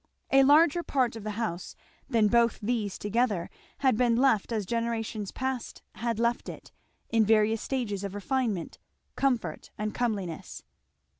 A larger part of the house than both these together had been left as generations past had left it, in various stages of, refinement, comfort and comeliness.